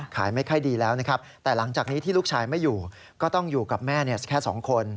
ขายไม่ค่อยดีแล้วนะครับแต่หลังจากนี้ที่ลูกชายไม่อยู่ก็ต้องอยู่กับแม่แค่สองคน